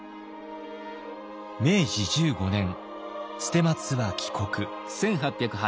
明治１５年捨松は帰国。